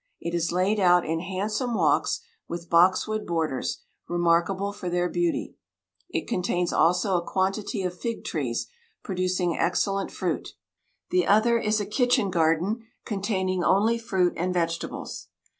It is laid out in handsome walks, with boxwood borders, remarkable for their beauty. It contains also a quantity of fig trees, producing excellent fruit. The other is a kitchen garden, containing only fruit and vegetables.